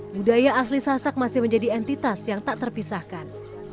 budaya asli sasak masih menjadi entitas yang tak terpisahkan